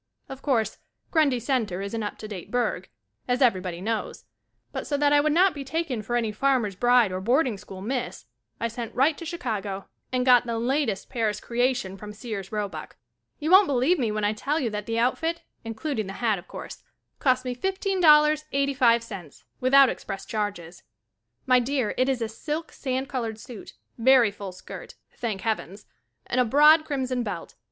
Of course, Grundy Center is an up to date burg, as everybody knows, but so that I would not be taken for any farmer's bride or boarding school Miss, I sent right to Chicago and got the latest Paris creation from Sears Robuck. You won't believe me when I tell you that the outfit, including the hat of course, cost me $15.85 without express charges. My dear, it is a silk sand colored suit, very full skirt, thank heavens, and a broad crimson belt.